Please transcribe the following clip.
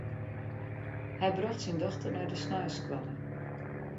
Hy brocht syn dochter nei de sneinsskoalle.